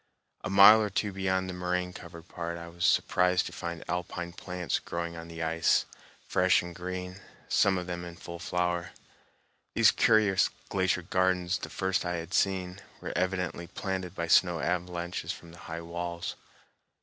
A mile or two beyond the moraine covered part I was surprised to find alpine plants growing on the ice, fresh and green, some of them in full flower. These curious glacier gardens, the first I had seen, were evidently planted by snow avalanches from the high walls.